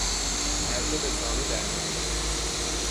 هر دو به زانو درمیآیند